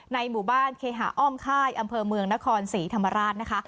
หมู่บ้านเคหาอ้อมค่ายอำเภอเมืองนครศรีธรรมราชนะคะ